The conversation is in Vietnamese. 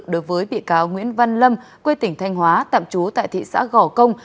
đối với bị cáo nguyễn văn lâm quê tỉnh thanh hóa tạm trú tại thị xã gò công